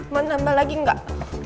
mau tambah lagi gak